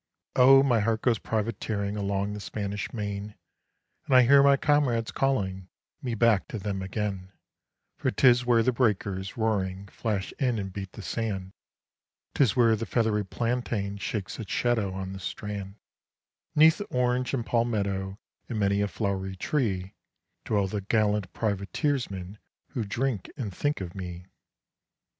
Oh, my heart goes privateering along the Spanish Main, And I hear my comrades calling me back to them again; For 'tis where the breakers, roaring, flash in and beat the sand 'Tis where the feathery plantain shakes its shadow on the strand; 'Neath orange and palmetto and many a flowery tree Dwell the gallant privateersmen who drink and think of me.